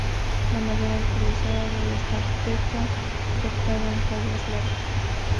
La madera utilizada debe estar seca, cortada en tablas largas.